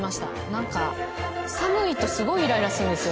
なんか寒いとすごいイライラするんですよ